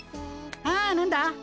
ああ何だ？